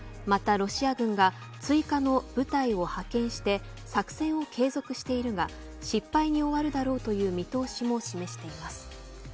また、ロシア軍が追加の部隊を派遣して作戦を継続しているが失敗に終わるだろうという見通しも示しています。